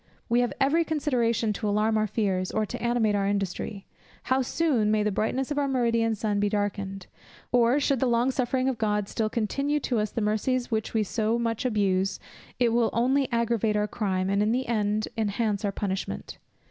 We have every consideration to alarm our fears, or to animate our industry. How soon may the brightness of our meridian sun be darkened! Or, should the long suffering of God still continue to us the mercies which we so much abuse, it will only aggravate our crime, and in the end enhance our punishment.